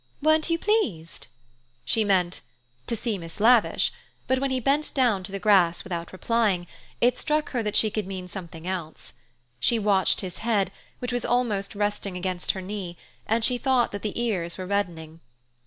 "Weren't you pleased?" She meant "to see Miss Lavish," but when he bent down to the grass without replying, it struck her that she could mean something else. She watched his head, which was almost resting against her knee, and she thought that the ears were reddening.